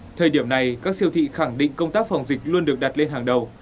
thời điểm này các siêu thị khẳng định công tác phòng dịch luôn được đặt lên hàng đầu